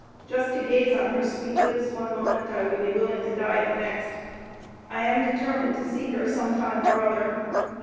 Just to gaze on her sweet lips one moment I would be willing to die the next. I am determined to see her some time or other.